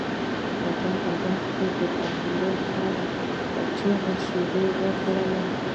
په دغه وخت کې د بهلول خر په چغو شروع وکړه.